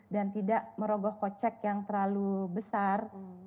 dan tidak merogoh kocek yang terlalu besar